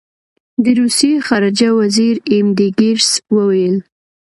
د روسیې خارجه وزیر ایم ډي ګیرس وویل.